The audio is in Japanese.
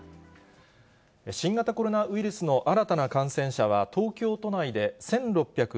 新型コロナウイルスの新たな感染者は、東京都内で１６７３人。